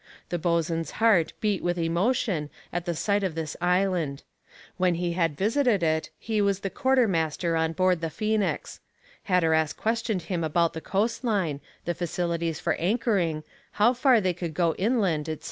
The boatswain's heart beat with emotion at the sight of this island; when he had visited it he was quartermaster on board the Phoenix; Hatteras questioned him about the coast line, the facilities for anchoring, how far they could go inland, &c.